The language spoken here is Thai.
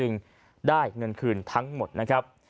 เนื่องจากว่าอยู่ระหว่างการรวมพญาหลักฐานนั่นเองครับ